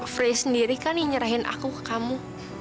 frey sendiri kan yang nyerahin aku ke kamu